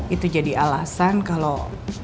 itu jadi alasan kalau